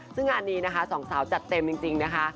ซึ่งงานนี้นะคะสองสาวจัดเต็มจริงนะคะ